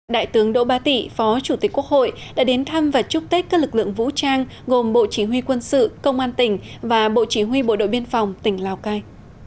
đại tướng đỗ ba tị phó chủ tịch quốc hội đã đến thăm và chúc tết các lực lượng vũ trang gồm bộ chỉ huy quân sự công an tỉnh và bộ chỉ huy bộ đội biên phòng tỉnh lào cai